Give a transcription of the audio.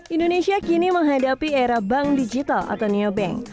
indonesia kini menghadapi era bank digital atau neobank